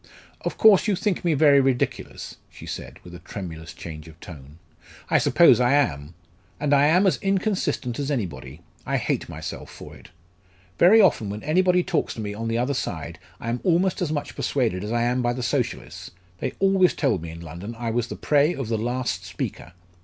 "Of course, you think me very ridiculous," she said, with a tremulous change of tone. "I suppose I am. And I am as inconsistent as anybody I hate myself for it. Very often when anybody talks to me on the other side, I am almost as much persuaded as I am by the Socialists: they always told me in London I was the prey of the last speaker.